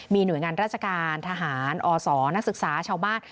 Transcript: มีหน่วยงานราชการทหารอศนักศึกษาชาวบ้าน